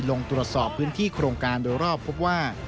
ลงตรวจสอบพื้นที่โครงการโดยรอบพบว่า